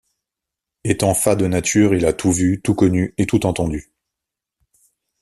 Étant fat de nature, il a tout vu, tout connu, et tout entendu.